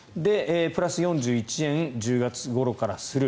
プラス４１円１０月ごろからする。